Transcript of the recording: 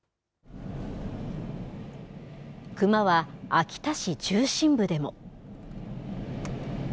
クマは秋田市中心部でも。